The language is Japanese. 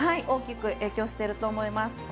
大きく影響していると思います。